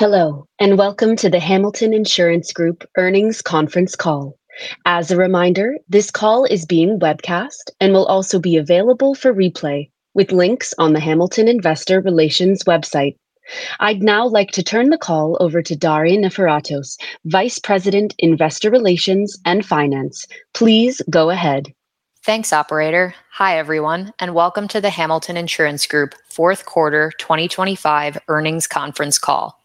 Hello, and welcome to the Hamilton Insurance Group Earnings Conference Call. As a reminder, this call is being webcast and will also be available for replay with links on the Hamilton Investor Relations website. I'd now like to turn the call over to Darian Niforatos, Vice President, Investor Relations and Finance. Please go ahead. Thanks, operator. Hi, everyone, and welcome to the Hamilton Insurance Group Q4 2025 earnings conference call.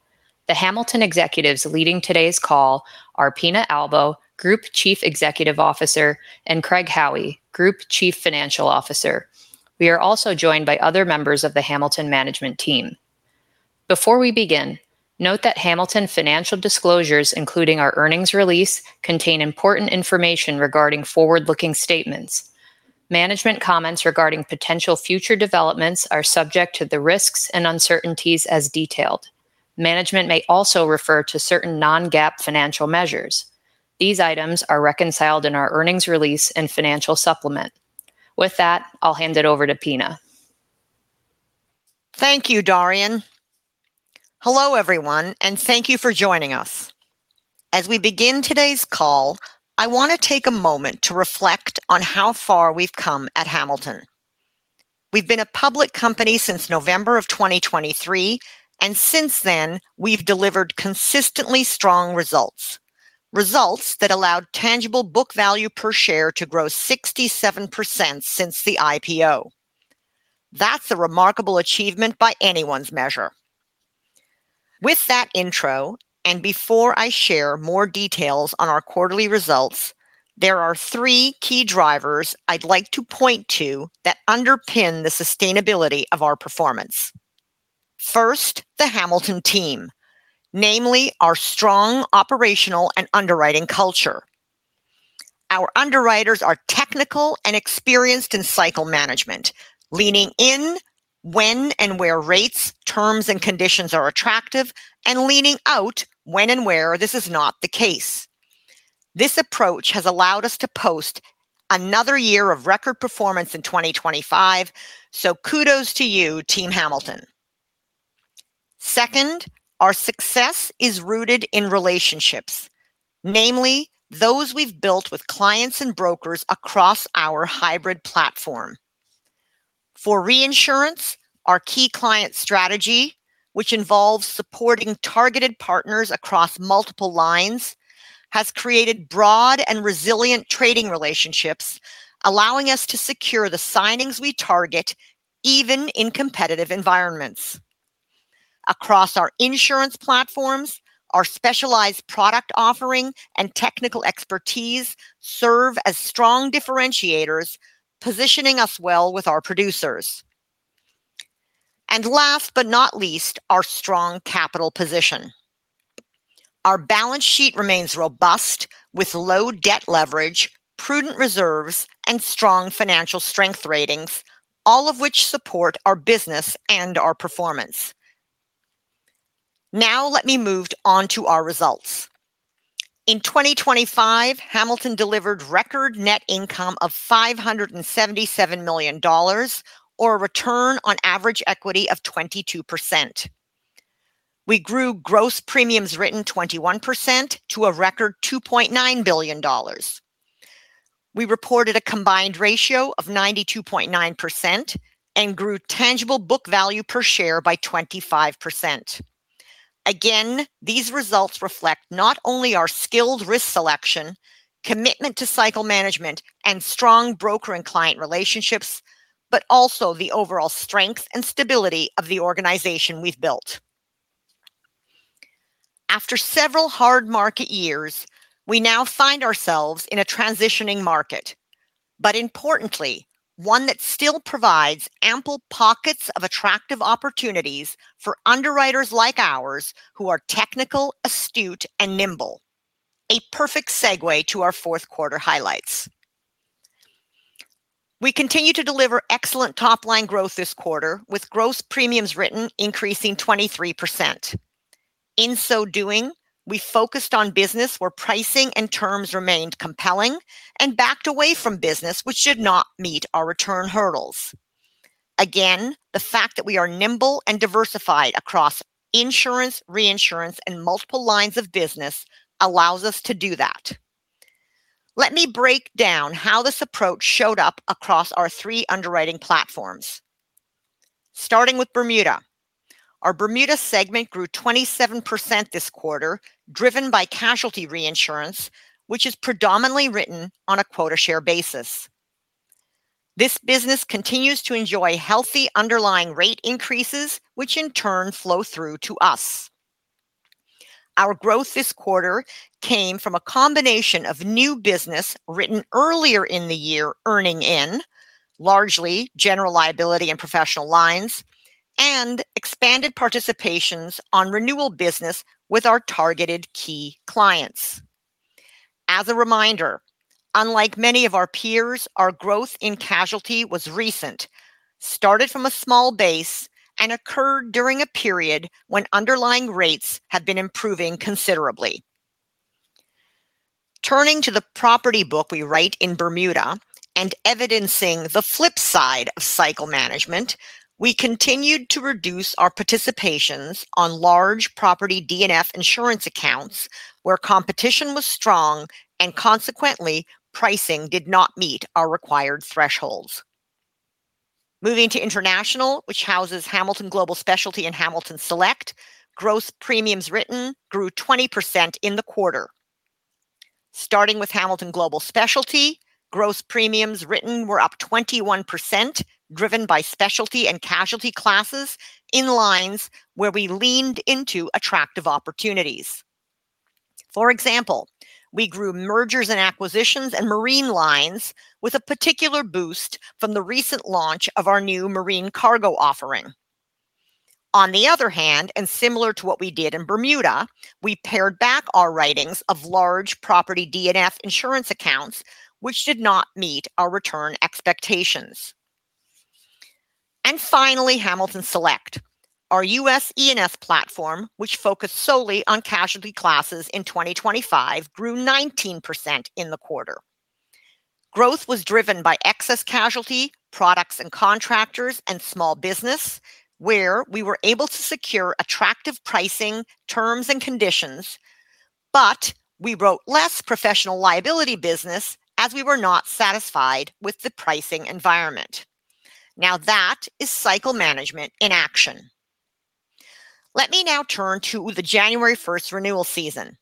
The Hamilton executives leading today's call are Pina Albo, Group Chief Executive Officer, and Craig Howie, Group Chief Financial Officer. We are also joined by other members of the Hamilton management team. Before we begin, note that Hamilton financial disclosures, including our earnings release, contain important information regarding forward-looking statements. Management comments regarding potential future developments are subject to the risks and uncertainties as detailed. Management may also refer to certain non-GAAP financial measures. These items are reconciled in our earnings release and financial supplement. With that, I'll hand it over to Pina. Thank you, Darian. Hello, everyone, and thank you for joining us. As we begin today's call, I want to take a moment to reflect on how far we've come at Hamilton. We've been a public company since November of 2023, and since then, we've delivered consistently strong results. Results that allowed tangible book value per share to grow 67% since the IPO. That's a remarkable achievement by anyone's measure. With that intro, and before I share more details on our quarterly results, there are three key drivers I'd like to point to that underpin the sustainability of our performance. First, the Hamilton team, namely our strong operational and underwriting culture. Our underwriters are technical and experienced in cycle management, leaning in when and where rates, terms, and conditions are attractive and leaning out when and where this is not the case. This approach has allowed us to post another year of record performance in 2025, so kudos to you, Team Hamilton. Second, our success is rooted in relationships, namely those we've built with clients and brokers across our hybrid platform. For reinsurance, our key client strategy, which involves supporting targeted partners across multiple lines, has created broad and resilient trading relationships, allowing us to secure the signings we target, even in competitive environments. Across our insurance platforms, our specialized product offering and technical expertise serve as strong differentiators, positioning us well with our producers. And last but not least, our strong capital position. Our balance sheet remains robust, with low debt leverage, prudent reserves, and strong financial strength ratings, all of which support our business and our performance. Now let me move on to our results. In 2025, Hamilton delivered record net income of $577 million or a return on average equity of 22%. We grew gross premiums written 21% to a record $2.9 billion. We reported a combined ratio of 92.9% and grew tangible book value per share by 25%. Again, these results reflect not only our skilled risk selection, commitment to cycle management, and strong broker and client relationships, but also the overall strength and stability of the organization we've built. After several hard market years, we now find ourselves in a transitioning market, but importantly, one that still provides ample pockets of attractive opportunities for underwriters like ours, who are technical, astute, and nimble. A perfect segue to our Q4 highlights. We continue to deliver excellent top-line growth this quarter, with gross premiums written increasing 23%. In so doing, we focused on business where pricing and terms remained compelling and backed away from business which did not meet our return hurdles. Again, the fact that we are nimble and diversified across insurance, reinsurance, and multiple lines of business allows us to do that. Let me break down how this approach showed up across our three underwriting platforms. Starting with Bermuda. Our Bermuda Segment grew 27% this quarter, driven by casualty reinsurance, which is predominantly written on a quota share basis. This business continues to enjoy healthy underlying rate increases, which in turn flow through to us. Our growth this quarter came from a combination of new business written earlier in the year, earning in largely general liability and professional lines, and expanded participations on renewal business with our targeted key clients. As a reminder, unlike many of our peers, our growth in casualty was recent, started from a small base, and occurred during a period when underlying rates had been improving considerably... Turning to the property book we write in Bermuda and evidencing the flip side of cycle management, we continued to reduce our participations on large property D&F insurance accounts where competition was strong and consequently, pricing did not meet our required thresholds. Moving to international, which houses Hamilton Global Specialty and Hamilton Select, gross premiums written grew 20% in the quarter. Starting with Hamilton Global Specialty, gross premiums written were up 21%, driven by specialty and casualty classes in lines where we leaned into attractive opportunities. For example, we grew mergers and acquisitions and marine lines with a particular boost from the recent launch of our new marine cargo offering. On the other hand, and similar to what we did in Bermuda, we pared back our writings of large property D&F insurance accounts, which did not meet our return expectations. And finally, Hamilton Select, our US E&S platform, which focused solely on casualty classes in 2025, grew 19% in the quarter. Growth was driven by excess casualty products and contractors and small business, where we were able to secure attractive pricing terms and conditions, but we wrote less professional liability business as we were not satisfied with the pricing environment. Now, that is cycle management in action. Let me now turn to the January 1 renewal season.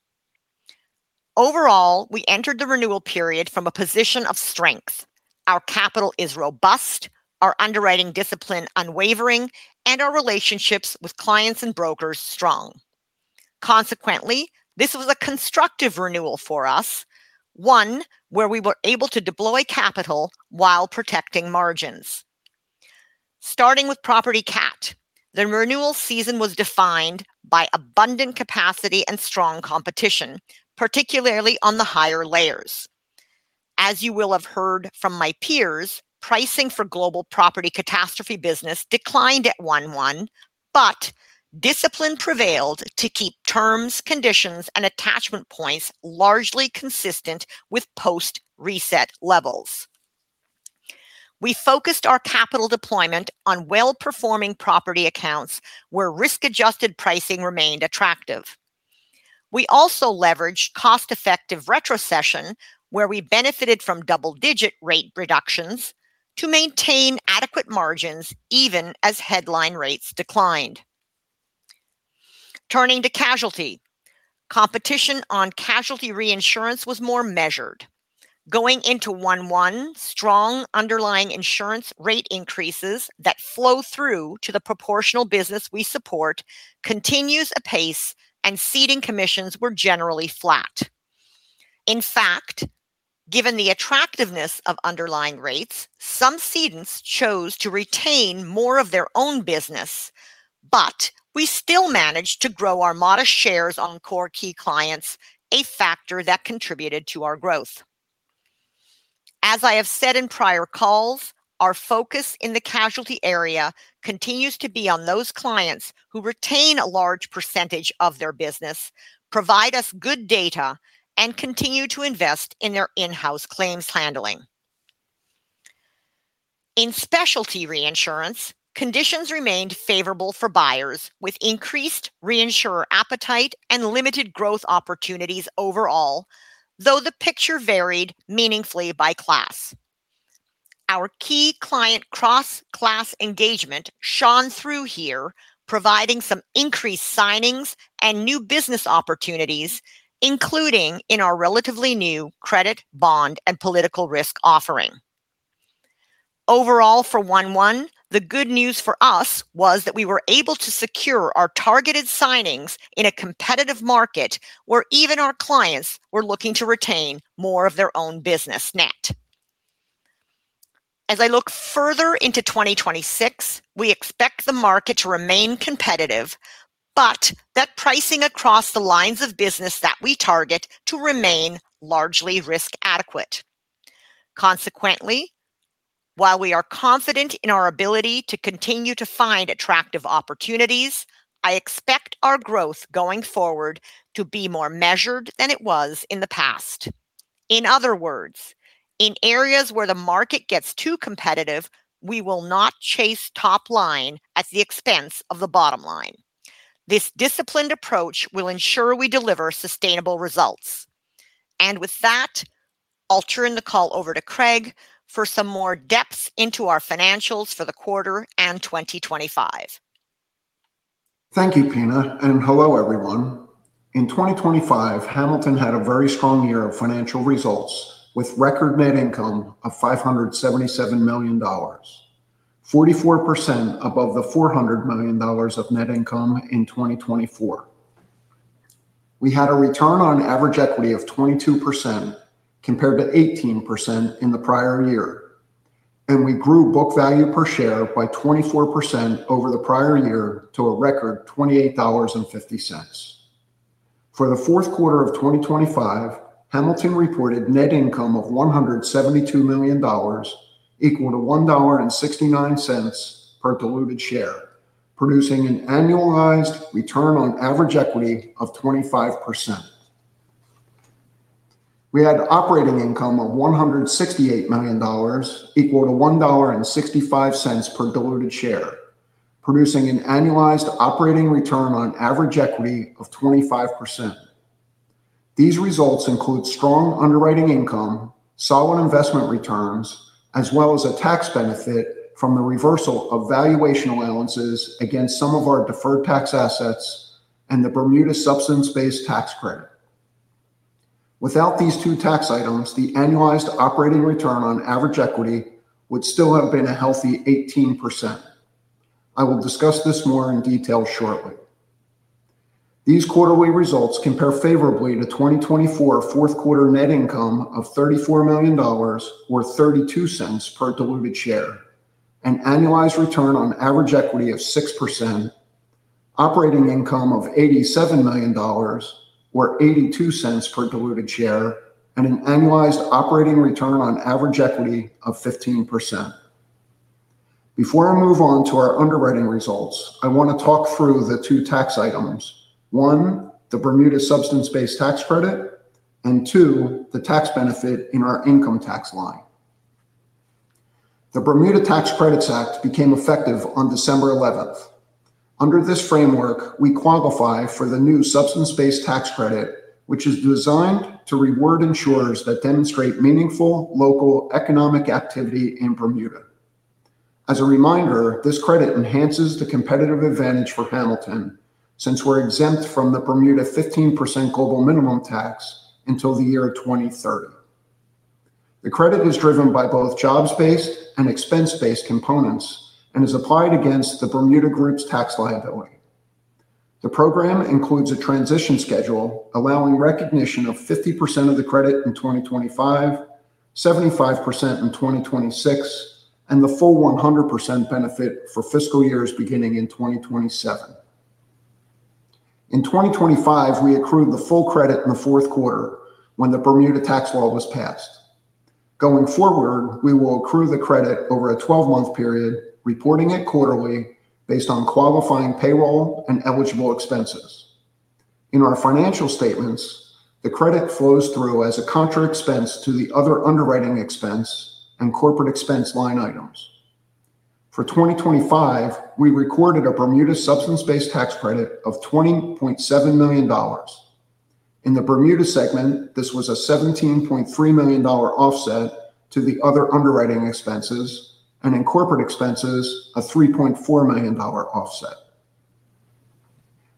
Overall, we entered the renewal period from a position of strength. Our capital is robust, our underwriting discipline unwavering, and our relationships with clients and brokers strong. Consequently, this was a constructive renewal for us, one where we were able to deploy capital while protecting margins. Starting with property cat, the renewal season was defined by abundant capacity and strong competition, particularly on the higher layers. As you will have heard from my peers, pricing for global property catastrophe business declined at 1/1, but discipline prevailed to keep terms, conditions, and attachment points largely consistent with post-reset levels. We focused our capital deployment on well-performing property accounts, where risk-adjusted pricing remained attractive. We also leveraged cost-effective retrocession, where we benefited from double-digit rate reductions to maintain adequate margins even as headline rates declined. Turning to casualty. Competition on casualty reinsurance was more measured. Going into 1/1, strong underlying insurance rate increases that flow through to the proportional business we support continues apace, and ceding commissions were generally flat. In fact, given the attractiveness of underlying rates, some cedents chose to retain more of their own business, but we still managed to grow our modest shares on core key clients, a factor that contributed to our growth. As I have said in prior calls, our focus in the casualty area continues to be on those clients who retain a large percentage of their business, provide us good data, and continue to invest in their in-house claims handling. In specialty reinsurance, conditions remained favorable for buyers, with increased reinsurer appetite and limited growth opportunities overall, though the picture varied meaningfully by class. Our key client cross-class engagement shone through here, providing some increased signings and new business opportunities, including in our relatively new credit, bond, and political risk offering. Overall, for Q1, the good news for us was that we were able to secure our targeted signings in a competitive market where even our clients were looking to retain more of their own business net. As I look further into 2026, we expect the market to remain competitive, but that pricing across the lines of business that we target to remain largely risk adequate. Consequently, while we are confident in our ability to continue to find attractive opportunities, I expect our growth going forward to be more measured than it was in the past. In other words, in areas where the market gets too competitive, we will not chase top line at the expense of the bottom line. This disciplined approach will ensure we deliver sustainable results. With that, I'll turn the call over to Craig for some more depth into our financials for the quarter and 2025. Thank you, Pina, and hello, everyone. In 2025, Hamilton had a very strong year of financial results, with record net income of $577 million, 44% above the $400 million of net income in 2024. We had a return on average equity of 22%, compared to 18% in the prior year, and we grew book value per share by 24% over the prior year to a record $28.50. For the Q4 of 2025, Hamilton reported net income of $172 million, equal to $1.69 per diluted share, producing an annualized return on average equity of 25%. We had operating income of $168 million, equal to $1.65 per diluted share, producing an annualized operating return on average equity of 25%. These results include strong underwriting income, solid investment returns, as well as a tax benefit from the reversal of valuation allowances against some of our deferred tax assets and the Bermuda Substance-Based Tax credit. Without these two tax items, the annualized operating return on average equity would still have been a healthy 18%. I will discuss this more in detail shortly. These quarterly results compare favorably to 2024 Q4 net income of $34 million or $0.32 per diluted share, an annualized return on average equity of 6%, operating income of $87 million or $0.82 per diluted share, and an annualized operating return on average equity of 15%. Before I move on to our underwriting results, I want to talk through the two tax items. One, the Bermuda Substance-Based Tax Credit, and two, the tax benefit in our income tax line. The Bermuda Tax Credits Act became effective on December eleventh. Under this framework, we qualify for the new Substance-Based Tax Credit, which is designed to reward insurers that demonstrate meaningful local economic activity in Bermuda. As a reminder, this credit enhances the competitive advantage for Hamilton, since we're exempt from the Bermuda 15% global minimum tax until the year 2030. The credit is driven by both jobs-based and expense-based components and is applied against the Bermuda Group's tax liability. The program includes a transition schedule, allowing recognition of 50% of the credit in 2025, 75% in 2026, and the full 100% benefit for FYs beginning in 2027. In 2025, we accrued the full credit in the Q4 when the Bermuda tax law was passed. Going forward, we will accrue the credit over a 12-month period, reporting it quarterly based on qualifying payroll and eligible expenses. In our financial statements, the credit flows through as a contra expense to the other underwriting expense and corporate expense line items. For 2025, we recorded a Bermuda Substance-Based Tax Credit of $20.7 million. In the Bermuda Segment, this was a $17.3 million offset to the other underwriting expenses, and in corporate expenses, a $3.4 million offset.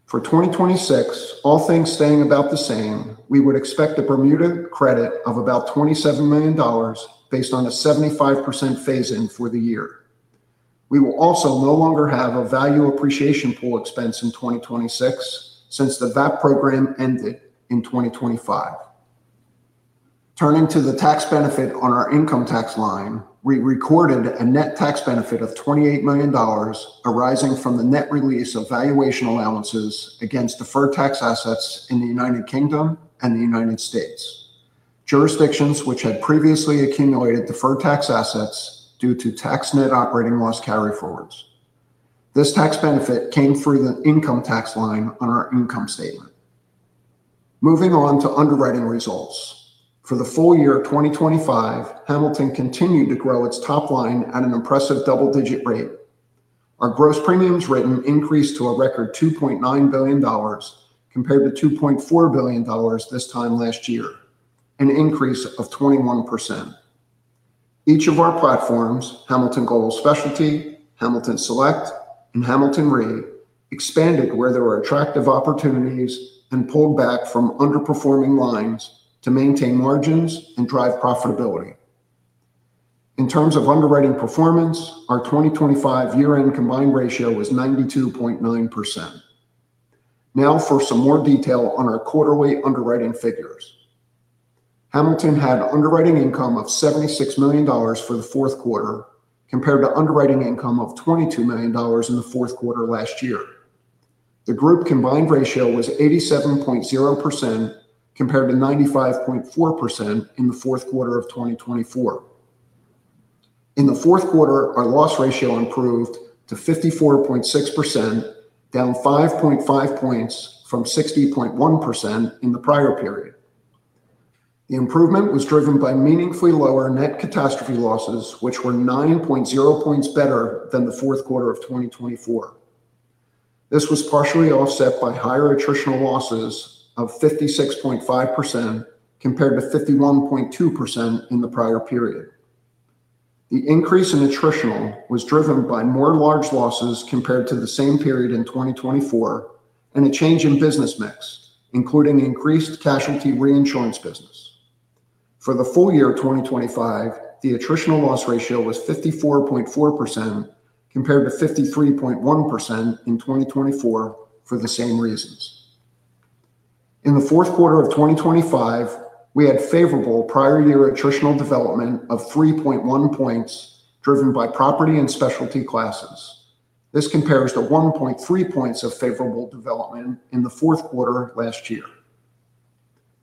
For 2026, all things staying about the same, we would expect a Bermuda credit of about $27 million based on a 75% phase in for the year. We will also no longer have a value appreciation pool expense in 2026 since the VAP program ended in 2025. Turning to the tax benefit on our income tax line, we recorded a net tax benefit of $28 million arising from the net release of valuation allowances against deferred tax assets in the United Kingdom and the United States, jurisdictions which had previously accumulated deferred tax assets due to tax net operating loss carryforwards. This tax benefit came through the income tax line on our income statement. Moving on to underwriting results. For the full year of 2025, Hamilton continued to grow its top line at an impressive double-digit rate. Our gross premiums written increased to a record $2.9 billion, compared to $2.4 billion this time last year, an increase of 21%. Each of our platforms, Hamilton Global Specialty, Hamilton Select, and Hamilton Re, expanded where there were attractive opportunities and pulled back from underperforming lines to maintain margins and drive profitability. In terms of underwriting performance, our 2025 year-end combined ratio was 92.9%. Now for some more detail on our quarterly underwriting figures. Hamilton had underwriting income of $76 million for the Q4, compared to underwriting income of $22 million in the Q4 last year. The group combined ratio was 87.0%, compared to 95.4% in the Q4 of 2024. In the Q4, our loss ratio improved to 54.6%, down 5.5 points from 60.1% in the prior period. The improvement was driven by meaningfully Lower Net Catastrophe Losses, which were 9.0 points better than the Q4 of 2024. This was partially offset by higher attritional losses of 56.5%, compared to 51.2% in the prior period. The increase in attritional was driven by more large losses compared to the same period in 2024 and a change in business mix, including increased casualty reinsurance business. For the full year of 2025, the attritional loss ratio was 54.4%, compared to 53.1% in 2024 for the same reasons. In the Q4 of 2025, we had favorable prior year attritional development of 3.1 points, driven by property and specialty classes. This compares to 1.3 points of favorable development in the Q4 last year....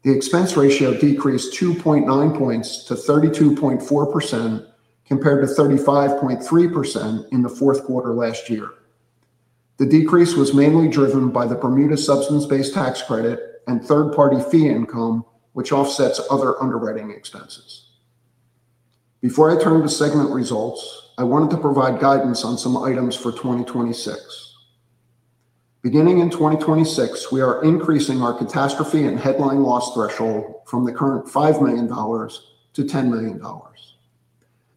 The expense ratio decreased 2.9 points to 32.4%, compared to 35.3% in the Q4 last year. The decrease was mainly driven by the Bermuda Substance-Based Tax Credit and Third-Party Fee Income, which offsets other underwriting expenses. Before I turn to segment results, I wanted to provide guidance on some items for 2026. Beginning in 2026, we are increasing our catastrophe and headline loss threshold from the current $5 million to $10 million.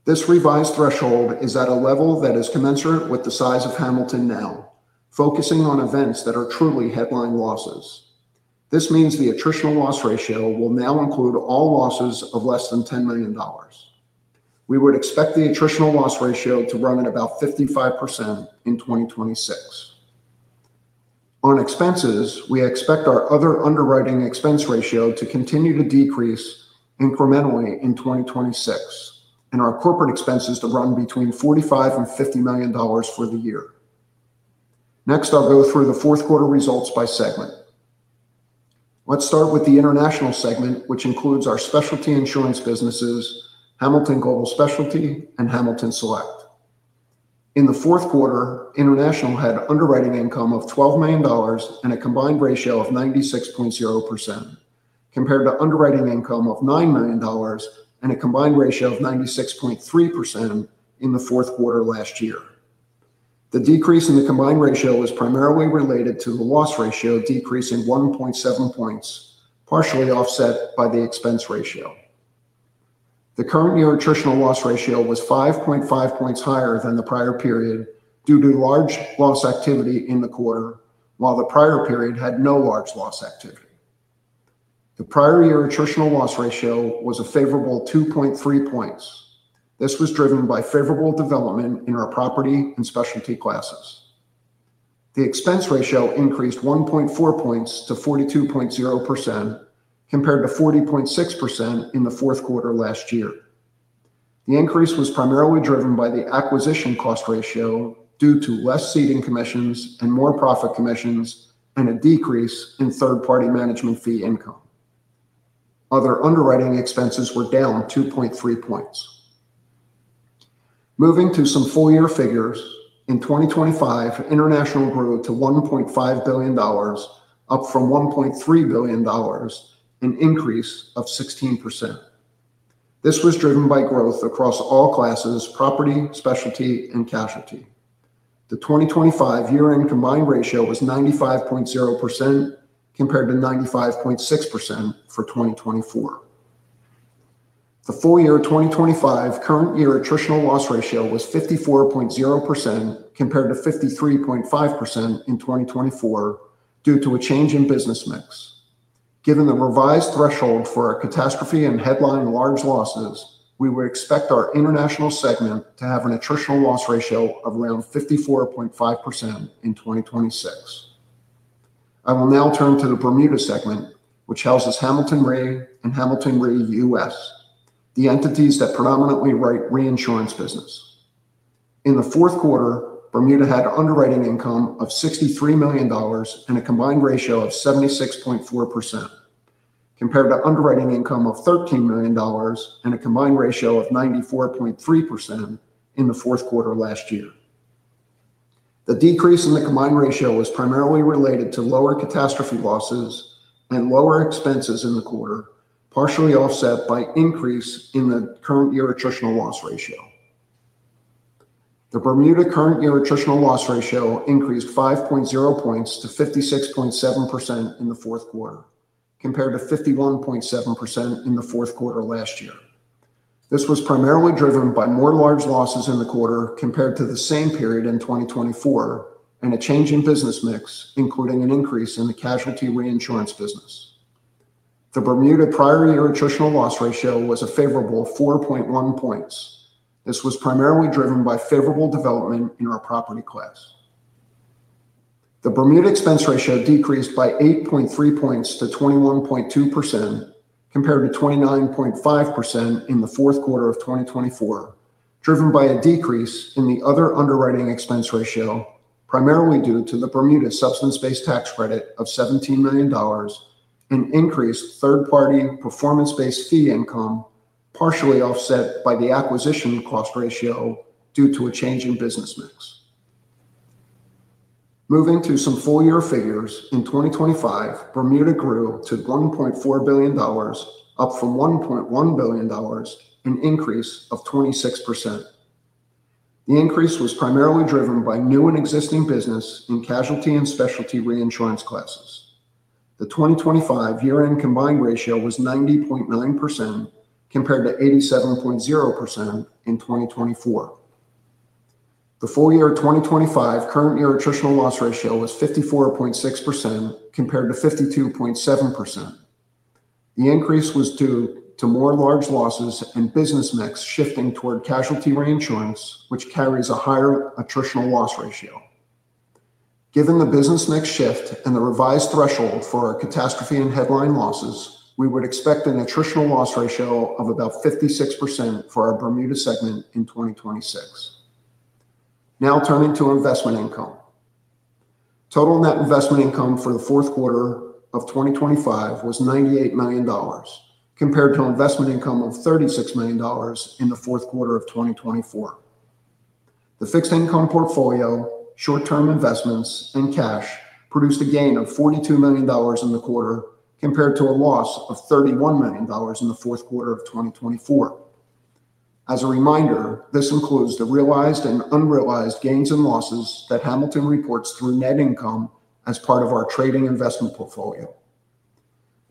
This revised threshold is at a level that is commensurate with the size of Hamilton now, focusing on events that are truly headline losses. This means the attritional loss ratio will now include all losses of less than $10 million. We would expect the attritional loss ratio to run at about 55% in 2026. On expenses, we expect our other Underwriting Expense Ratio to continue to decrease incrementally in 2026, and our corporate expenses to run between $45 million and $50 million for the year. Next, I'll go through the Q4 results by segment. Let's start with the International segment, which includes our specialty insurance businesses, Hamilton Global Specialty and Hamilton Select. In the Q4, International had underwriting income of $12 million and a combined ratio of 96.0%, compared to underwriting income of $9 million and a combined ratio of 96.3% in the Q4 last year. The decrease in the combined ratio was primarily related to the loss ratio decrease in 1.7 points, partially offset by the expense ratio. The current year attritional loss ratio was 5.5 points higher than the prior period due to large loss activity in the quarter, while the prior period had no large loss activity. The prior year attritional loss ratio was a favorable 2.3 points. This was driven by favorable development in our property and specialty classes. The expense ratio increased 1.4 points to 42.0%, compared to 40.6% in the Q4 last year. The increase was primarily driven by the acquisition cost ratio due to less ceding commissions and more profit commissions, and a decrease in third-party management fee income. Other underwriting expenses were down 2.3 points. Moving to some full year figures, in 2025, International grew to $1.5 billion, up from $1.3 billion, an increase of 16%. This was driven by growth across all classes: property, specialty, and casualty. The 2025 year-end combined ratio was 95.0%, compared to 95.6% for 2024. The full year 2025 current year attritional loss ratio was 54.0%, compared to 53.5% in 2024 due to a change in business mix. Given the revised threshold for our catastrophe and headline large losses, we would expect our International segment to have an attritional loss ratio of around 54.5% in 2026. I will now turn to the Bermuda Segment, which houses Hamilton Re and Hamilton Re U.S., the entities that predominantly write reinsurance business. In the Q4, Bermuda had Underwriting Income of $63 million and a combined ratio of 76.4%, compared to Underwriting Income of $13 million and a combined ratio of 94.3% in the Q4 last year. The decrease in the combined ratio was primarily related to lower catastrophe losses and lower expenses in the quarter, partially offset by increase in the current year attritional loss ratio. The Bermuda current year attritional loss ratio increased 5.0 points to 56.7% in the Q4, compared to 51.7% in the Q4 last year. This was primarily driven by more large losses in the quarter compared to the same period in 2024, and a change in business mix, including an increase in the casualty reinsurance business. The Bermuda prior year attritional loss ratio was a favorable 4.1 points. This was primarily driven by favorable development in our property class. The Bermuda Expense Ratio decreased by 8.3 points to 21.2%, compared to 29.5% in the Q4 of 2024, driven by a decrease in the other Underwriting Expense Ratio, primarily due to the Bermuda substance-based tax credit of $17 million and increased third-party performance-based fee income, partially offset by the acquisition cost ratio due to a change in business mix. Moving to some full year figures, in 2025, Bermuda grew to $1.4 billion, up from $1.1 billion, an increase of 26%. The increase was primarily driven by new and existing business in casualty and specialty reinsurance classes. The 2025 year-end combined ratio was 90.9%, compared to 87.0% in 2024. The full year 2025 current year attritional loss ratio was 54.6%, compared to 52.7%. The increase was due to more large losses and business mix shifting toward casualty reinsurance, which carries a higher attritional loss ratio. Given the business mix shift and the revised threshold for our catastrophe and headline losses, we would expect an attritional loss ratio of about 56% for our Bermuda Segment in 2026.... Now turning to investment income. Total net investment income for the Q4 of 2025 was $98 million, compared to investment income of $36 million in the Q4 of 2024. The fixed income portfolio, short-term investments, and cash produced a gain of $42 million in the quarter, compared to a loss of $31 million in the Q4 of 2024. As a reminder, this includes the realized and unrealized gains and losses that Hamilton reports through net income as part of our Trading Investment Portfolio.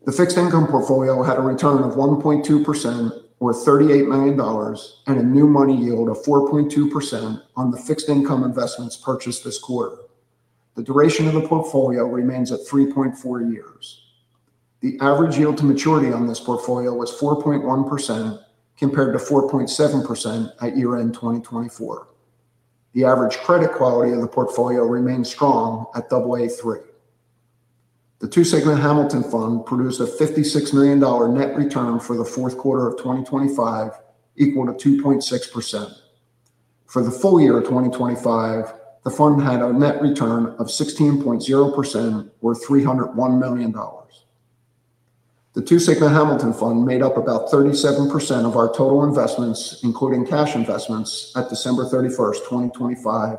The Fixed Income Portfolio had a return of 1.2%, or $38 million, and a new money yield of 4.2% on the fixed income investments purchased this quarter. The duration of the portfolio remains at 3.4 years. The average yield to maturity on this portfolio was 4.1%, compared to 4.7% at year-end 2024. The average credit quality of the portfolio remains strong at AA3. The Two Sigma Hamilton Fund produced a $56 million net return for the Q4 of 2025, equal to 2.6%. For the full year of 2025, the fund had a net return of 16.0%, or $301 million. The Two Sigma Hamilton Fund made up about 37% of our total investments, including cash investments, at December 31, 2025,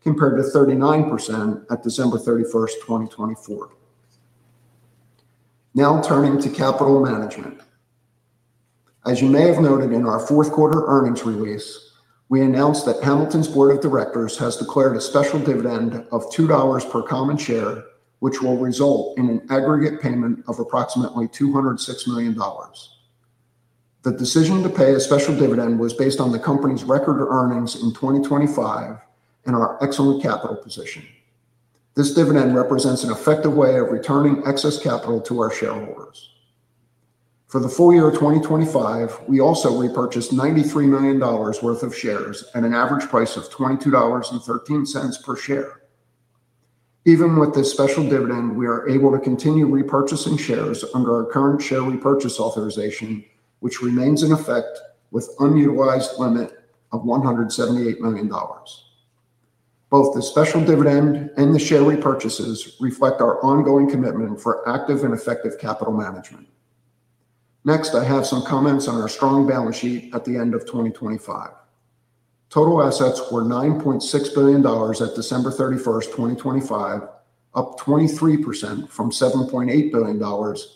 compared to 39% at December 31, 2024. Now turning to capital management. As you may have noted in our Q4 earnings release, we announced that Hamilton's board of directors has declared a special dividend of $2 per common share, which will result in an aggregate payment of approximately $206 million. The decision to pay a special dividend was based on the company's record earnings in 2025 and our excellent capital position. This dividend represents an effective way of returning excess capital to our shareholders. For the full year of 2025, we also repurchased $93 million worth of shares at an average price of $22.13 per share. Even with this special dividend, we are able to continue repurchasing shares under our current share repurchase authorization, which remains in effect with an unutilized limit of $178 million. Both the special dividend and the share repurchases reflect our ongoing commitment for active and effective capital management. Next, I have some comments on our strong balance sheet at the end of 2025. Total assets were $9.6 billion at December 31, 2025, up 23% from $7.8 billion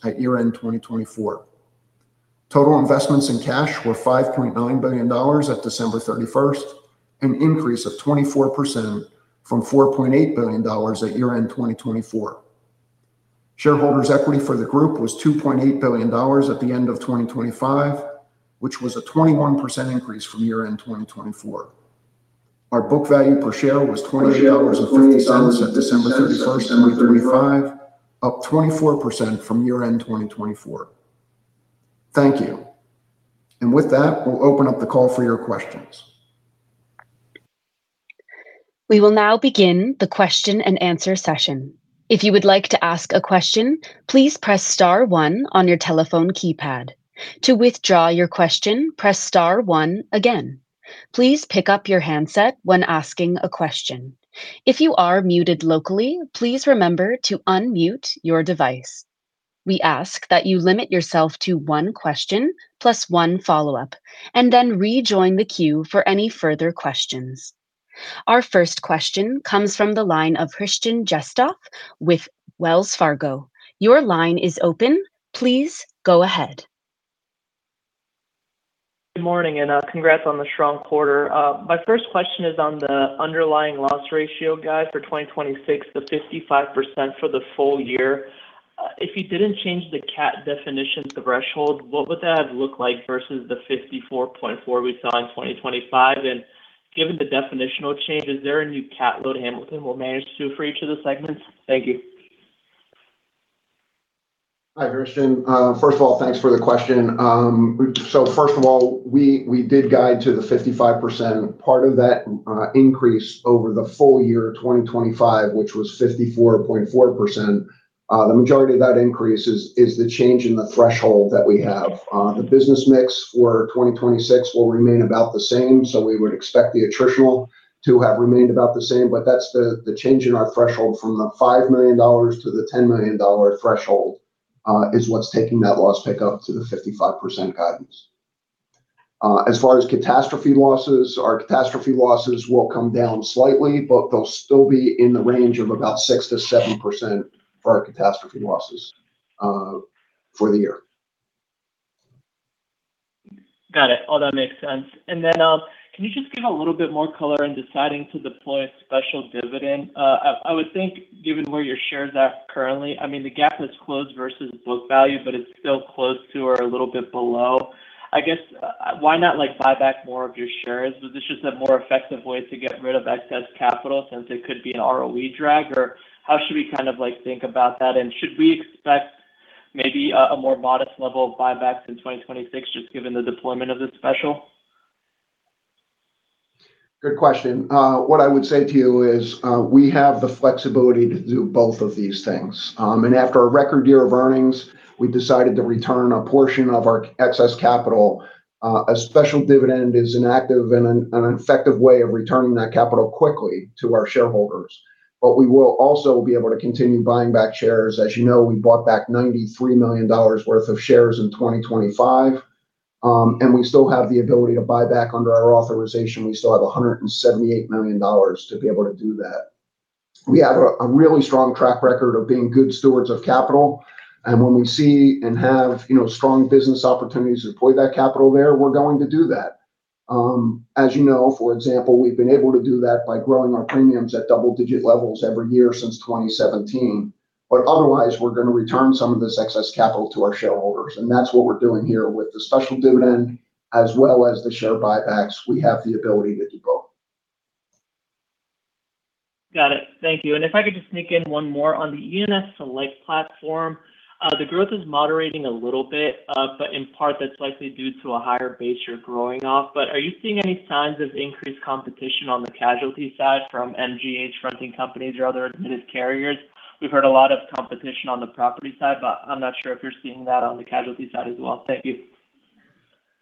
at year-end 2024. Total investments in cash were $5.9 billion at December 31, 2025, an increase of 24% from $4.8 billion at year-end 2024. Shareholders' equity for the group was $2.8 billion at the end of 2025, which was a 21% increase from year-end 2024. Our book value per share was $22.50 at December 31, 2025, up 24% from year-end 2024. Thank you. With that, we'll open up the call for your questions. We will now begin the Q&A session. If you would like to ask a question, please press star one on your telephone keypad. To withdraw your question, press star one again. Please pick up your handset when asking a question. If you are muted locally, please remember to unmute your device. We ask that you limit yourself to one question plus one follow-up, and then rejoin the queue for any further questions. Our first question comes from the line of Christian Getzoff with Wells Fargo. Your line is open. Please go ahead. Good Morning, and congrats on the strong quarter. My first question is on the underlying loss ratio guide for 2026, the 55% for the full year. If you didn't change the cat definition, the threshold, what would that look like versus the 54.4 we saw in 2025? And given the definitional change, is there a new cat load Hamilton will manage to do for each of the segments? Thank you. Hi, Christian. First of all, thanks for the question. So first of all, we did guide to the 55%. Part of that increase over the full year of 2025, which was 54.4%, the majority of that increase is the change in the threshold that we have. The business mix for 2026 will remain about the same, so we would expect the attritional to have remained about the same. But that's the change in our threshold from the $5 million to the $10 million threshold is what's taking that loss pick up to the 55% guidance. As far as catastrophe losses, our catastrophe losses will come down slightly, but they'll still be in the range of about 6% to 7% for our catastrophe losses for the year. Got it. All that makes sense. And then, can you just give a little bit more color in deciding to deploy a special dividend? I would think, given where your shares are currently, I mean, the gap is closed versus book value, but it's still close to or a little bit below. I guess, why not, like, buy back more of your shares? Is this just a more effective way to get rid of excess capital since it could be an ROE drag, or how should we kind of, like, think about that? And should we expect maybe a more modest level of buybacks in 2026, just given the deployment of this special?... Good question. What I would say to you is, we have the flexibility to do both of these things. And after a record year of earnings, we decided to return a portion of our excess capital. A special dividend is an active and effective way of returning that capital quickly to our shareholders, but we will also be able to continue buying back shares. As you know, we bought back $93 million worth of shares in 2025, and we still have the ability to buy back under our authorization. We still have $178 million to be able to do that. We have a really strong track record of being good stewards of capital, and when we see and have, you know, strong business opportunities to deploy that capital there, we're going to do that. As you know, for example, we've been able to do that by growing our premiums at double-digit levels every year since 2017. But otherwise, we're gonna return some of this excess capital to our shareholders, and that's what we're doing here with the special dividend as well as the share buybacks. We have the ability to do both. Got it. Thank you. If I could just sneak in one more on the E&S Select platform, the growth is moderating a little bit, but in part, that's likely due to a higher base you're growing off. Are you seeing any signs of increased competition on the casualty side from MGA fronting companies or other admitted carriers? We've heard a lot of competition on the property side, but I'm not sure if you're seeing that on the casualty side as well. Thank you.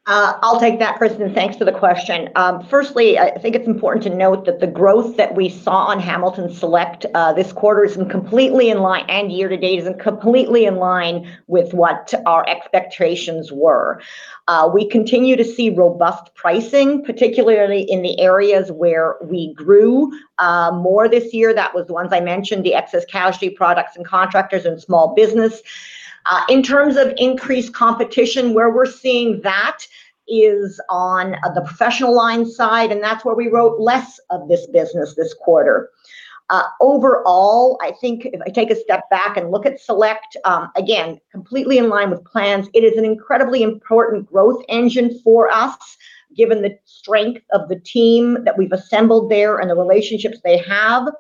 I'll take that, Kristen. Thanks for the question. Firstly, I think it's important to note that the growth that we saw on Hamilton Select this quarter is completely in line, and year to date, is completely in line with what our expectations were. We continue to see robust pricing, particularly in the areas where we grew more this year. That was the ones I mentioned, the excess casualty products and contractors and small business. In terms of increased competition, where we're seeing that is on the professional lines side, and that's where we wrote less of this business this quarter. Overall, I think if I take a step back and look at Select, again, completely in line with plans, it is an incredibly important growth engine for us, given the strength of the team that we've assembled there and the relationships they have.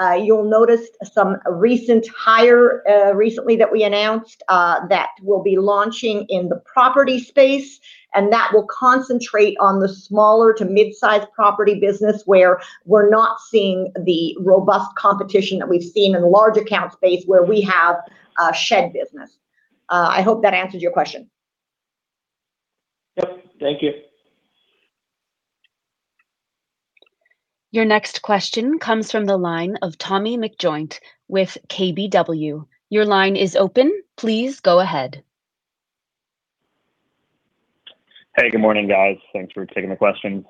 You'll notice some recent hire, recently that we announced, that we'll be launching in the property space, and that will concentrate on the smaller to mid-size property business, where we're not seeing the robust competition that we've seen in the large account space where we have, shed business. I hope that answered your question. Yep, thank you. Your next question comes from the line of Tommy McJoynt with KBW. Your line is open. Please go ahead. Hey, Good Morning, guys. Thanks for taking the questions.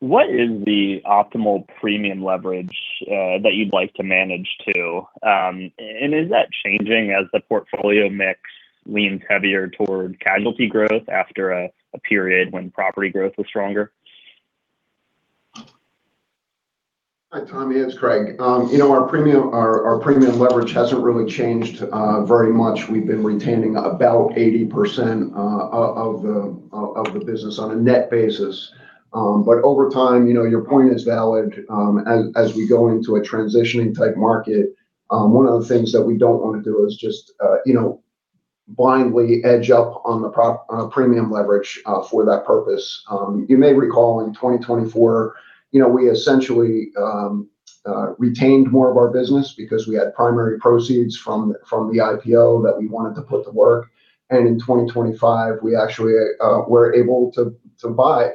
What is the optimal premium leverage that you'd like to manage to? And is that changing as the portfolio mix leans heavier toward casualty growth after a period when property growth was stronger? Hi, Tommy, it's Craig. You know, our premium leverage hasn't really changed very much. We've been retaining about 80% of the business on a net basis. But over time, you know, your point is valid. As we go into a transitioning type market, one of the things that we don't want to do is just, you know, blindly edge up on the premium leverage for that purpose. You may recall in 2024, you know, we essentially retained more of our business because we had primary proceeds from the IPO that we wanted to put to work. And in 2025, we actually were able to buy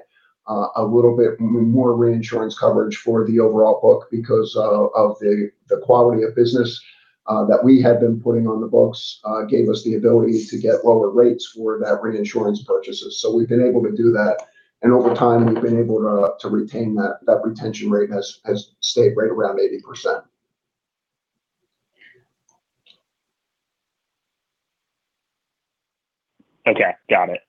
a little bit more reinsurance coverage for the overall book because of the quality of business that we had been putting on the books gave us the ability to get lower rates for that reinsurance purchases. So we've been able to do that, and over time, we've been able to retain that. That retention rate has stayed right around 80%. Okay, got it.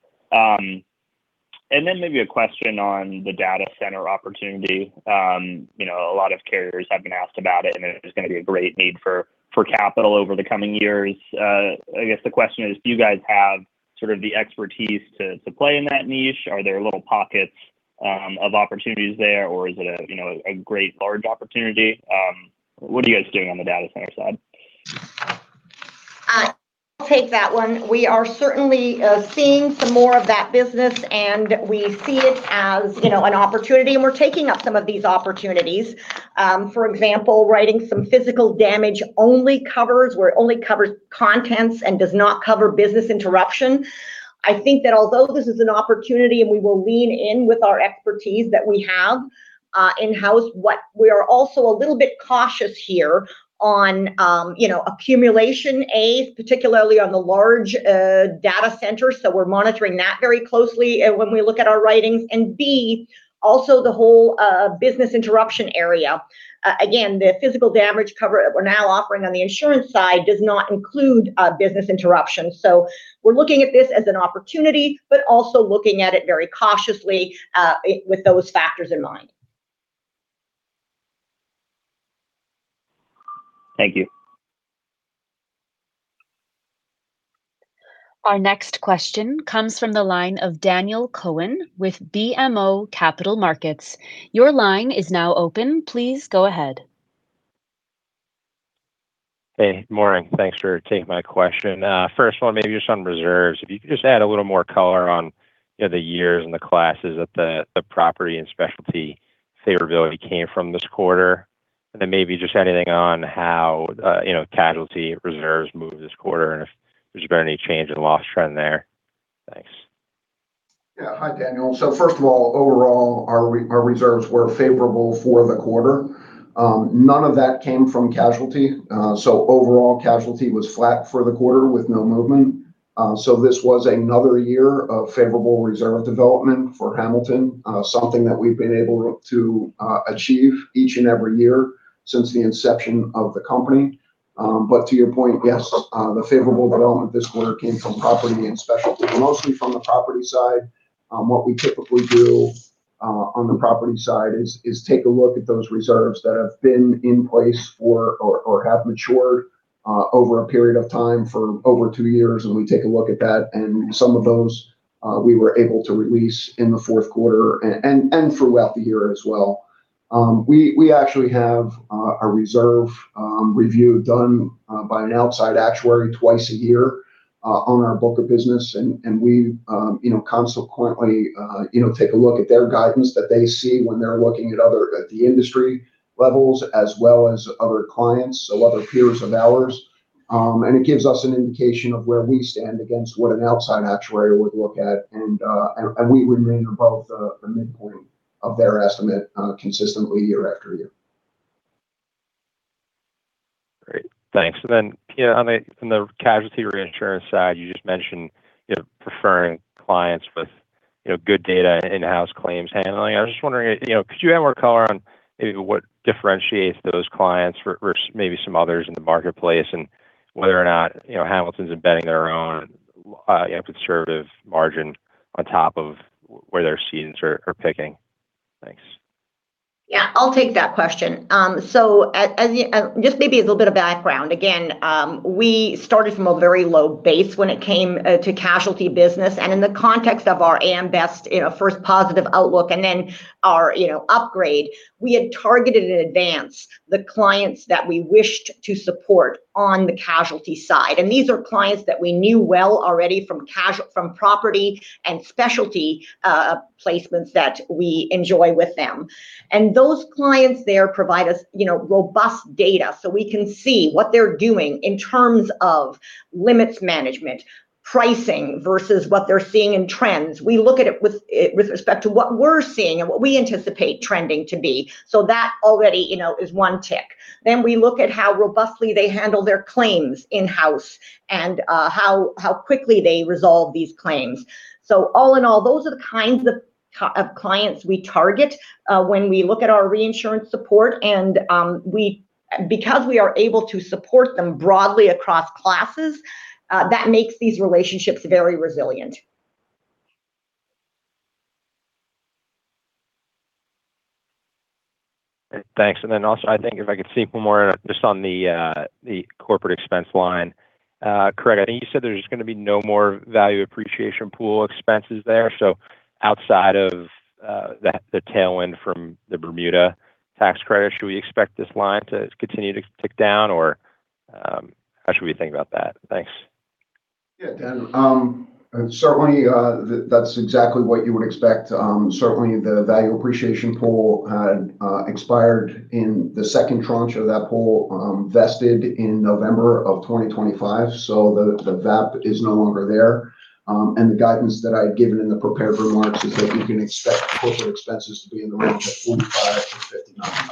And then maybe a question on the data center opportunity. You know, a lot of carriers have been asked about it, and there's gonna be a great need for capital over the coming years. I guess the question is, do you guys have sort of the expertise to play in that niche? Are there little pockets of opportunities there, or is it a great large opportunity? What are you guys doing on the data center side? I'll take that one. We are certainly seeing some more of that business, and we see it as, you know, an opportunity, and we're taking up some of these opportunities. For example, writing some physical damage only covers, where it only covers contents and does not cover business interruption. I think that although this is an opportunity and we will lean in with our expertise that we have in-house, what we are also a little bit cautious here on, you know, accumulation, A, particularly on the large data centers, so we're monitoring that very closely when we look at our writings, and B, also the whole business interruption area. Again, the physical damage cover we're now offering on the insurance side does not include business interruption. So we're looking at this as an opportunity, but also looking at it very cautiously, with those factors in mind. Thank you. Our next question comes from the line of Daniel Cohen with BMO Capital Markets. Your line is now open. Please go ahead.... Hey, Morning. Thanks for taking my question. First one, maybe just on reserves. If you could just add a little more color on, you know, the years and the classes that the property and specialty favorability came from this quarter. And then maybe just anything on how, you know, casualty reserves moved this quarter, and if there's been any change in loss trend there. Thanks. Yeah. Hi, Daniel. So first of all, overall, our reserves were favorable for the quarter. None of that came from casualty. So overall, casualty was flat for the quarter with no movement. So this was another year of favorable reserve development for Hamilton, something that we've been able to achieve each and every year since the inception of the company. But to your point, yes, the favorable development this quarter came from property and specialty, but mostly from the property side. What we typically do on the property side is take a look at those reserves that have been in place for, or have matured over a period of time for over two years, and we take a look at that, and some of those we were able to release in the Q4 and throughout the year as well. We actually have a reserve review done by an outside actuary twice a year on our book of business, and we, you know, consequently, you know, take a look at their guidance that they see when they're looking at other at the industry levels, as well as other clients, so other peers of ours. And it gives us an indication of where we stand against what an outside actuary would look at. We remain above the midpoint of their estimate consistently year after year. Great. Thanks. And then, Pina, on the, on the casualty reinsurance side, you just mentioned, you know, preferring clients with, you know, good data and in-house claims handling. I was just wondering, you know, could you add more color on maybe what differentiates those clients versus maybe some others in the marketplace, and whether or not, you know, Hamilton's embedding their own, you know, conservative margin on top of where their cedents are picking? Thanks. Yeah, I'll take that question. So, as you... just maybe a little bit of background. Again, we started from a very low base when it came to casualty business, and in the context of our A.M. Best, you know, first positive outlook and then our, you know, upgrade, we had targeted in advance the clients that we wished to support on the casualty side. And these are clients that we knew well already from property and specialty placements that we enjoy with them. And those clients there provide us, you know, robust data, so we can see what they're doing in terms of limits management, pricing versus what they're seeing in trends. We look at it with respect to what we're seeing and what we anticipate trending to be, so that already, you know, is one tick. Then we look at how robustly they handle their claims in-house and how quickly they resolve these claims. So all in all, those are the kinds of clients we target when we look at our reinsurance support and because we are able to support them broadly across classes, that makes these relationships very resilient. Thanks. And then also, I think if I could seek more just on the corporate expense line. Craig, I think you said there's just gonna be no more Value Appreciation Pool expenses there. So outside of the tailwind from the Bermuda Tax Credit, should we expect this line to continue to tick down, or how should we think about that? Thanks. Yeah, Dan, certainly, that's exactly what you would expect. Certainly the Value Appreciation Pool expired in the second tranche of that pool, vested in November of 2025, so the VAP is no longer there. And the guidance that I'd given in the prepared remarks is that you can expect corporate expenses to be in the range of $45 to $59.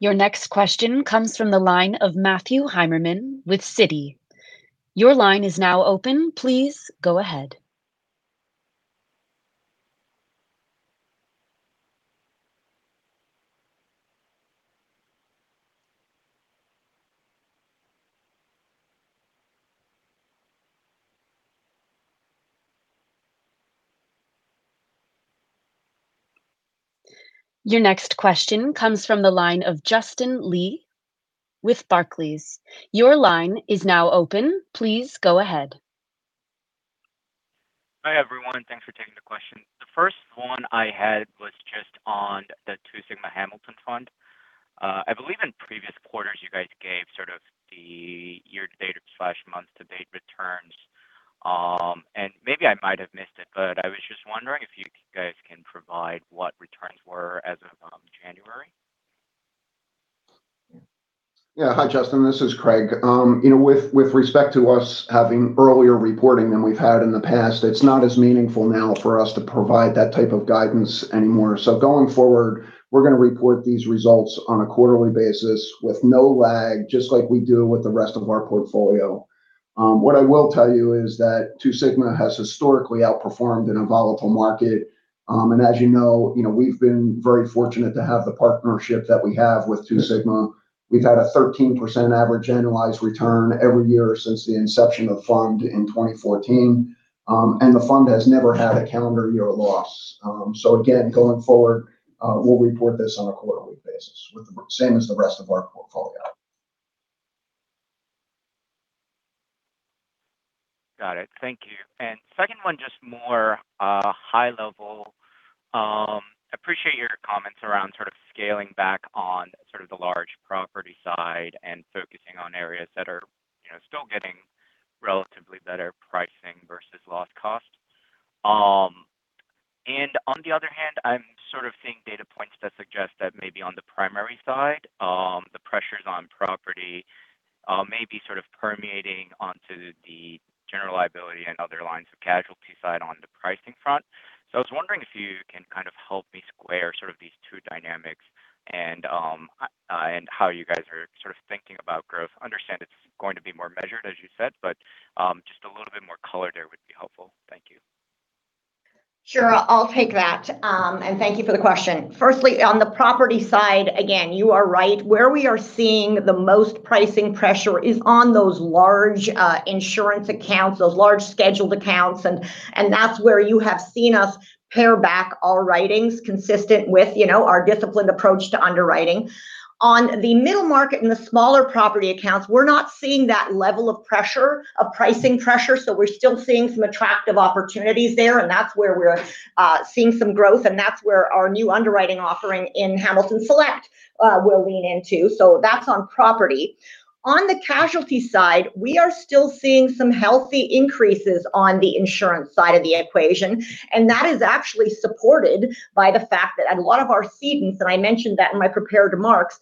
Your next question comes from the line of Matthew Heimerman with Citi. Your line is now open. Please go ahead. Your next question comes from the line of Justin Lee with Barclays. Your line is now open. Please go ahead. Hi, everyone. Thanks for taking the question. The first one I had was just on the Two Sigma Hamilton Fund. I believe in previous quarters, you guys gave sort of the year-to-date/month-to-date returns. Maybe I might have missed it, but I was just wondering if you guys can provide what returns were as of January? Yeah. Hi, Justin, this is Craig. You know, with respect to us having earlier reporting than we've had in the past, it's not as meaningful now for us to provide that type of guidance anymore. So going forward, we're gonna report these results on a quarterly basis with no lag, just like we do with the rest of our portfolio. What I will tell you is that Two Sigma has historically outperformed in a volatile market. And as you know, you know, we've been very fortunate to have the partnership that we have with Two Sigma. We've had a 13% average annualized return every year since the inception of fund in 2014, and the fund has never had a calendar year loss. So again, going forward, we'll report this on a quarterly basis with the same as the rest of our portfolio. ... Got it. Thank you. And second one, just more, high level. Appreciate your comments around sort of scaling back on sort of the large property side and focusing on areas that are, you know, still getting relatively better pricing versus loss cost. And on the other hand, I'm sort of seeing data points that suggest that maybe on the primary side, the pressures on property may be sort of permeating onto the general liability and other lines of casualty side on the pricing front. So I was wondering if you can kind of help me square sort of these two dynamics and how you guys are sort of thinking about growth. Understand it's going to be more measured, as you said, but just a little bit more color there would be helpful. Thank you. Sure, I'll take that. Thank you for the question. Firstly, on the property side, again, you are right. Where we are seeing the most pricing pressure is on those large insurance accounts, those large scheduled accounts, and that's where you have seen us pare back our writings consistent with, you know, our disciplined approach to underwriting. On the middle market and the smaller property accounts, we're not seeing that level of pressure, of pricing pressure, so we're still seeing some attractive opportunities there, and that's where we're seeing some growth, and that's where our new underwriting offering in Hamilton Select will lean into. So that's on property. On the casualty side, we are still seeing some healthy increases on the insurance side of the equation, and that is actually supported by the fact that a lot of our cedants, and I mentioned that in my prepared remarks,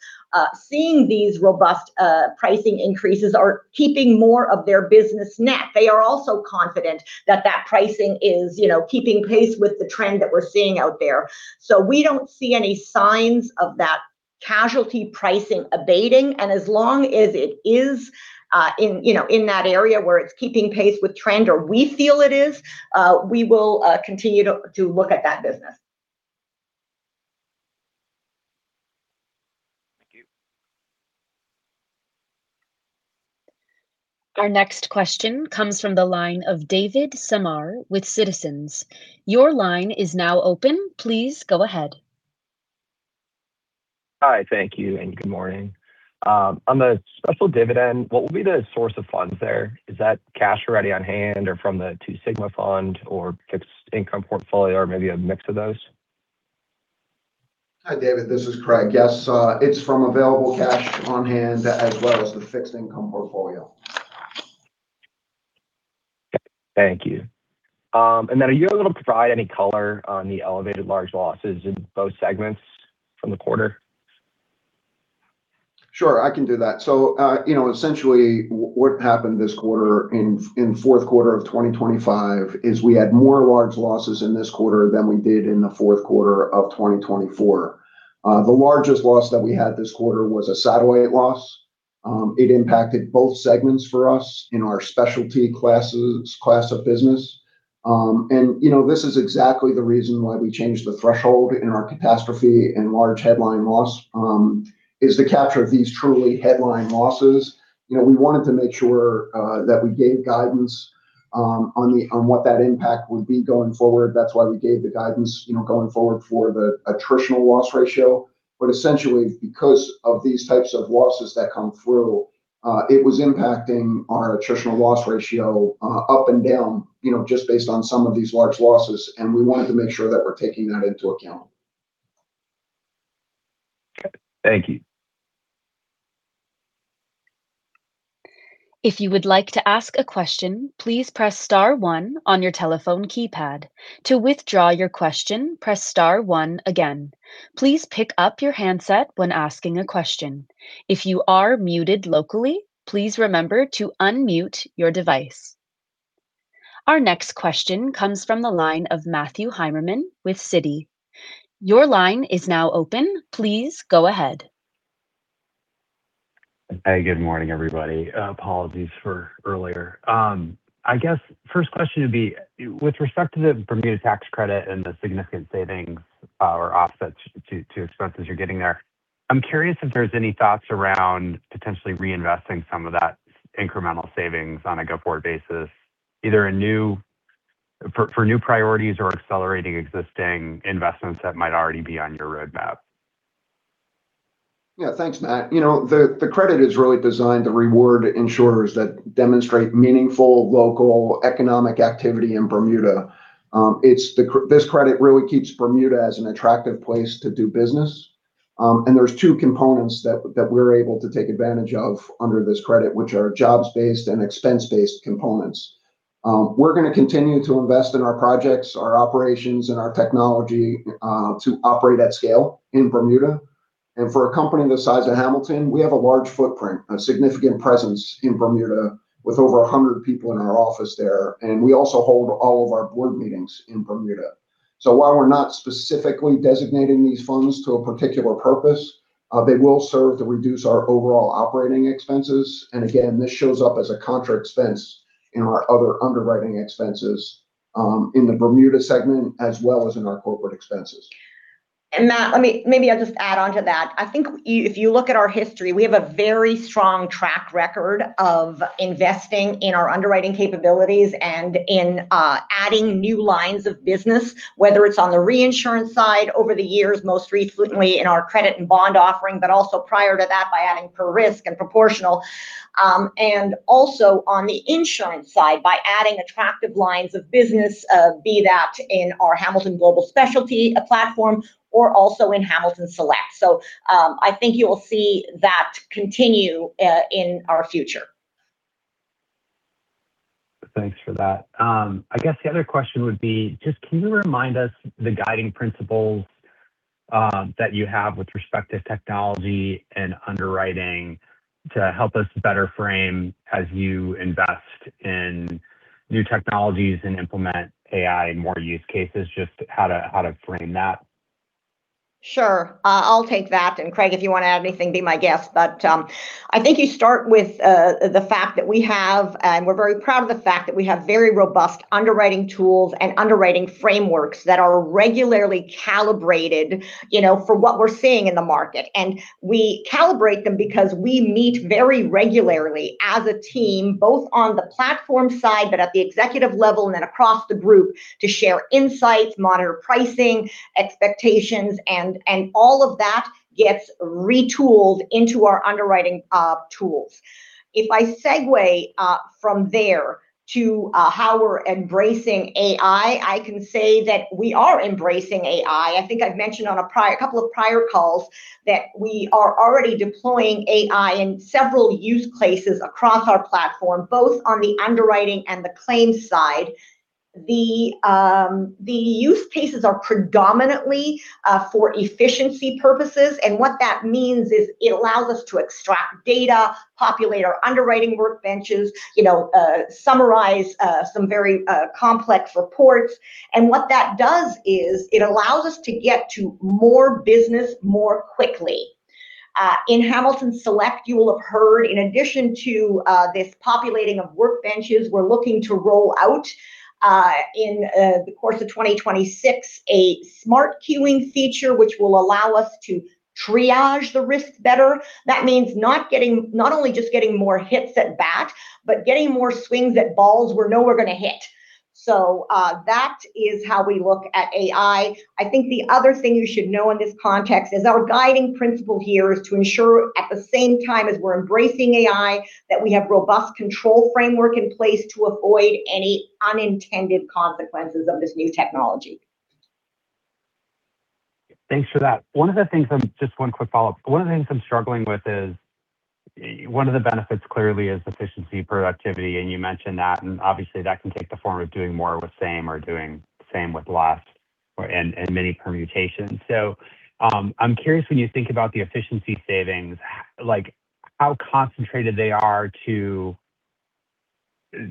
seeing these robust pricing increases are keeping more of their business net. They are also confident that that pricing is, you know, keeping pace with the trend that we're seeing out there. So we don't see any signs of that casualty pricing abating, and as long as it is, in, you know, in that area where it's keeping pace with trend or we feel it is, we will continue to look at that business. Thank you. Our next question comes from the line of David Samar with Citizens. Your line is now open. Please go ahead. Hi, thank you, and Good Morning. On the special dividend, what will be the source of funds there? Is that cash already on hand or from the Two Sigma fund or fixed income portfolio, or maybe a mix of those? Hi, David, this is Craig. Yes, it's from available cash on hand as well as the fixed income portfolio. Thank you. And then are you able to provide any color on the elevated large losses in both segments from the quarter? Sure, I can do that. So, you know, essentially, what happened this quarter in Q4 of 2025 is we had more large losses in this quarter than we did in the Q4 of 2024. The largest loss that we had this quarter was a satellite loss. It impacted both segments for us in our specialty classes, class of business. And, you know, this is exactly the reason why we changed the threshold in our catastrophe and large headline loss is to capture these truly headline losses. You know, we wanted to make sure that we gave guidance on what that impact would be going forward. That's why we gave the guidance, you know, going forward for the attritional loss ratio. But essentially, because of these types of losses that come through, it was impacting our attritional loss ratio, up and down, you know, just based on some of these large losses, and we wanted to make sure that we're taking that into account. Okay. Thank you. If you would like to ask a question, please press star one on your telephone keypad. To withdraw your question, press star one again. Please pick up your handset when asking a question. If you are muted locally, please remember to unmute your device. Our next question comes from the line of Matthew Heimerman with Citi. Your line is now open. Please go ahead. Hey, Good Morning, everybody. Apologies for earlier. I guess first question would be, with respect to the Bermuda Tax Credit and the significant savings, or offsets to expenses you're getting there, I'm curious if there's any thoughts around potentially reinvesting some of that incremental savings on a go-forward basis, either a new for new priorities or accelerating existing investments that might already be on your roadmap. Yeah. Thanks, Matt. You know, the credit is really designed to reward insurers that demonstrate meaningful local economic activity in Bermuda. It's this credit really keeps Bermuda as an attractive place to do business. And there's two components that we're able to take advantage of under this credit, which are jobs-based and expense-based components. We're gonna continue to invest in our projects, our operations, and our Technology to operate at scale in Bermuda. And for a company the size of Hamilton, we have a large footprint, a significant presence in Bermuda, with over 100 people in our office there, and we also hold all of our board meetings in Bermuda. So while we're not specifically designating these funds to a particular purpose, they will serve to reduce our overall operating expenses. And again, this shows up as a contra expense in our other Underwriting expenses, in the Bermuda Segment, as well as in our corporate expenses.... And Matt, let me, maybe I'll just add on to that. I think if you look at our history, we have a very strong track record of investing in our underwriting capabilities and in adding new lines of business, whether it's on the reinsurance side over the years, most recently in our credit and bond offering, but also prior to that, by adding per risk and proportional. And also on the insurance side, by adding attractive lines of business, be that in our Hamilton Global Specialty platform or also in Hamilton Select. So, I think you will see that continue in our future. Thanks for that. I guess the other question would be, just can you remind us the guiding principles, that you have with respect to Technology and Underwriting to help us better frame as you invest in new technologies and implement AI and more use cases, just how to, how to frame that? Sure. I'll take that, and Craig, if you wanna add anything, be my guest. But, I think you start with the fact that we have, and we're very proud of the fact that we have very robust underwriting tools and underwriting frameworks that are regularly calibrated, you know, for what we're seeing in the market. And we calibrate them because we meet very regularly as a team, both on the platform side, but at the executive level and then across the group, to share insights, monitor pricing, expectations, and all of that gets retooled into our underwriting tools. If I segue from there to how we're embracing AI, I can say that we are embracing AI. I think I've mentioned on a couple of prior calls that we are already deploying AI in several use cases across our platform, both on the underwriting and the claims side. The use cases are predominantly for efficiency purposes, and what that means is it allows us to extract data, populate our underwriting workbenches, you know, summarize some very complex reports. And what that does is it allows us to get to more business more quickly. In Hamilton Select, you will have heard, in addition to this populating of workbenches, we're looking to roll out in the course of 2026 a smart queuing feature, which will allow us to triage the risks better. That means not only just getting more hits at bat, but getting more swings at balls we know we're gonna hit. That is how we look at AI. I think the other thing you should know in this context is our guiding principle here is to ensure at the same time as we're embracing AI, that we have robust control framework in place to avoid any unintended consequences of this new Technology. Thanks for that. Just one quick follow-up. One of the things I'm struggling with is, one of the benefits, clearly is efficiency, productivity, and you mentioned that, and obviously that can take the form of doing more with same or doing same with less, or, and, and many permutations. So, I'm curious, when you think about the efficiency savings, like, how concentrated they are to,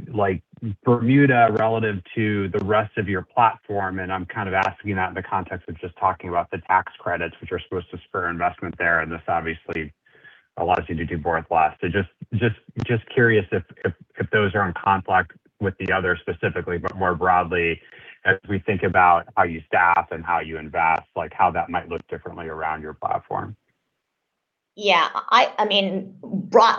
like, Bermuda relative to the rest of your platform, and I'm kind of asking that in the context of just talking about the tax credits, which are supposed to spur investment there, and this obviously allows you to do both less. So just curious if those are on conflict with the other specifically, but more broadly, as we think about how you staff and how you invest, like how that might look differently around your platform? Yeah, I mean,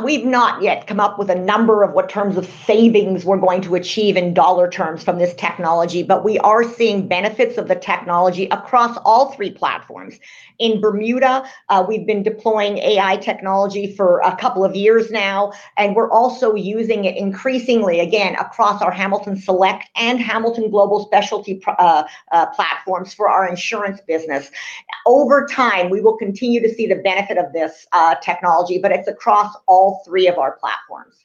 we've not yet come up with a number of what terms of savings we're going to achieve in dollar terms from this Technology, but we are seeing benefits of the Technology across all three platforms. In Bermuda, we've been deploying AI Technology for a couple of years now, and we're also using it increasingly, again, across our Hamilton Select and Hamilton Global Specialty platforms for our insurance business. Over time, we will continue to see the benefit of this Technology, but it's across all three of our platforms.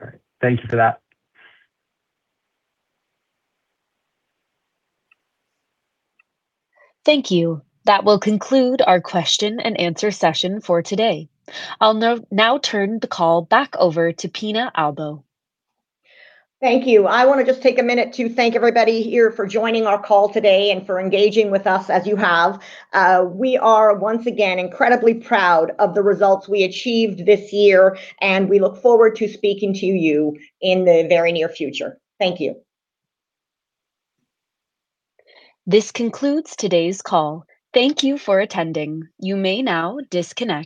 All right. Thank you for that. Thank you. That will conclude our Q&A session for today. I'll now turn the call back over to Pina Albo. Thank you. I wanna just take a minute to thank everybody here for joining our call today and for engaging with us as you have. We are, once again, incredibly proud of the results we achieved this year, and we look forward to speaking to you in the very near future. Thank you. This concludes today's call. Thank you for attending. You may now disconnect.